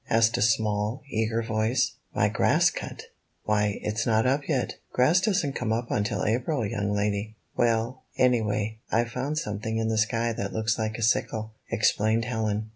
asked a small, eager voice. '']My grass cut! Why, it's not up yet. Grass doesn't come up until April, young lady." ''Well, anyway, I've found something in the sky that looks like a sickle," explained Helen.